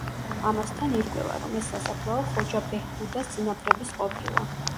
ამასთან, ირკვევა, რომ ეს სასაფლაო ხოჯა ბეჰბუდას წინაპრების ყოფილა.